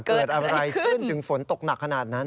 เกิดอะไรขึ้นถึงฝนตกหนักขนาดนั้น